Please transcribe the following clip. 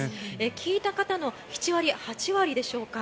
聞いた方の７割、８割でしょうか。